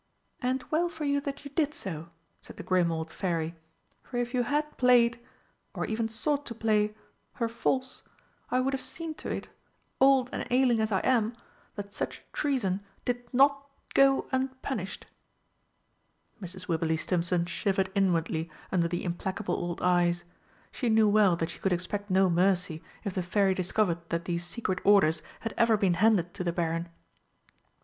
"And well for you that you did so!" said the grim old Fairy, "for if you had played or even sought to play her false, I would have seen to it old and ailing as I am that such treason did not go unpunished!" Mrs. Wibberley Stimpson shivered inwardly under the implacable old eyes; she knew well that she could expect no mercy if the Fairy discovered that these secret orders had ever been handed to the Baron.